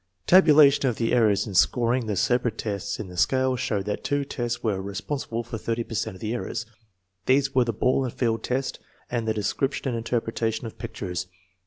Tabulation of the errors in scoring the separate tests in the scale showed that two tests were responsi ble for 30 per cent of the errors. These were the ball and field test and the description and interpretation of pictures.